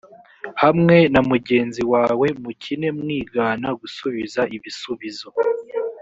hamwe na mugenzi wawe mukine mwigana gusubiza ibisubizo